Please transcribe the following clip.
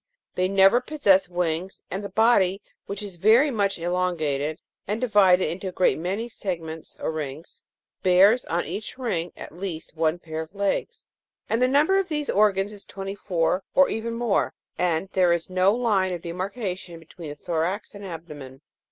They never possess wings, and the body, which is very much elongated and divided into a great many segments or rings, bears on each ring, at least one pair of legs ; the number of these organs is twenty four, or even more, and there is no line of demarcation between the thorax and abdomen.